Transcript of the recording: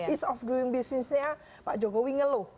ease of doing business nya pak jokowi ngeluh